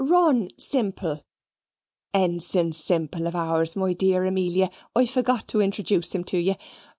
"Run Simple (Ensign Simple, of Ours, my dear Amelia. I forgot to introjuice him to ye).